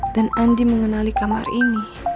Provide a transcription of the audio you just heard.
dan andi mengenali kamar ini